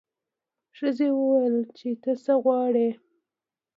ښځې وویل چې ته څه غواړې.